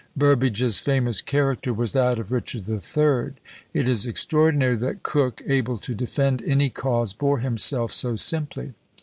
Burbage's famous character was that of Richard the Third. It is extraordinary that Coke, able to defend any cause, bore himself so simply.